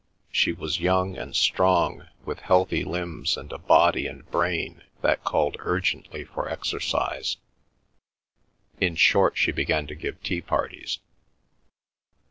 She was young and strong, with healthy limbs and a body and brain that called urgently for exercise. ...' (In short she began to give tea parties.)